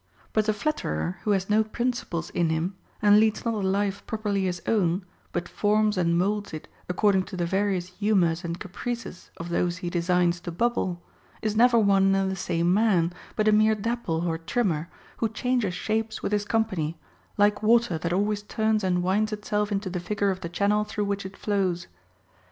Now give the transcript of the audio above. But the flatterer, who has no principles in him, and leads not a life properly his own, but forms and moulds it according to the various humors and caprices of those he designs to bubble, is never one and the same man, but a mere dapple or trimmer, who changes shapes with his company, like water that always turns and winds itself into the figure of the channel through which it flows.